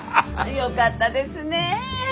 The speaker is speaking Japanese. よかったですねえ。